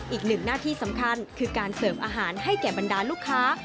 อีกหนึ่งหน้าที่สำคัญคือการเสริมอาหารให้แก่บรรดาลูกค้า